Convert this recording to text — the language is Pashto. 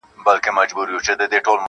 پر نیم ولس مو بنده چي د علم دروازه وي-